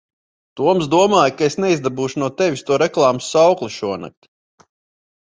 Toms domāja, ka es neizdabūšu no tevis to reklāmas saukli šonakt.